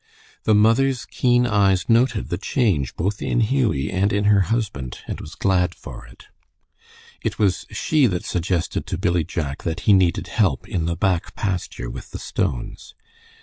The mother's keen eyes noted the change both in Hughie and in her husband, and was glad for it. It was she that suggested to Billy Jack that he needed help in the back pasture with the stones.